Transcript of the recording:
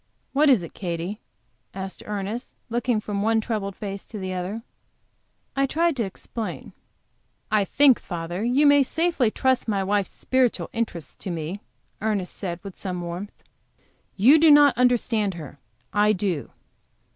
What is it, Katy?" asked Ernest; looking from one troubled face to the other. I tried to explain. "I think, father, you may safely trust my wife's spiritual interests to me," Ernest said, with warmth. "You do not understand her. I do.